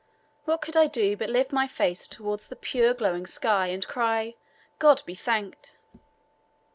What could I do but lift my face toward the pure glowing sky, and cry, "God be thanked!"